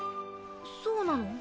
そうなの？